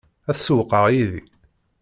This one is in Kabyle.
Ad tsewwqeḍ yid-i?